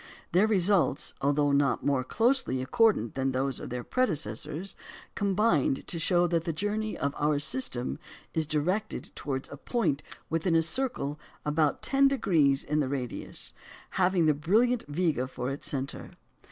Their results, although not more closely accordant than those of their predecessors, combined to show that the journey of our system is directed towards a point within a circle about ten degrees in radius, having the brilliant Vega for its centre.